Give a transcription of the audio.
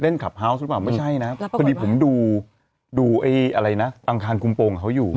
คลับเฮาวส์หรือเปล่าไม่ใช่นะพอดีผมดูดูไอ้อะไรนะอังคารคุมโปรงของเขาอยู่